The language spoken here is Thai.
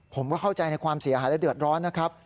ผมก็เข้าใจในความเสียหายและเดือดร้อนนะครับ